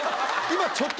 今。